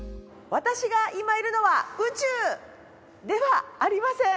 私が今いるのは宇宙ではありません。